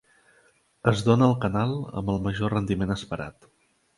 Es dóna el canal amb el major rendiment esperat.